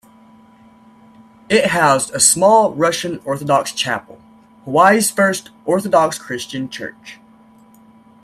It housed a small Russian Orthodox chapel, Hawaii's first Orthodox Christian church.